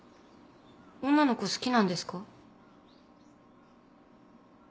女の子好きなんですか？